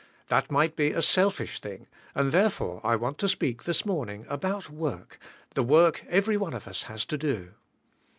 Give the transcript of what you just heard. That might be a selfish thing , and therefore I want to speak, this morning, about work, the work every one of us has to do.